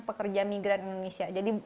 pekerja migran indonesia jadi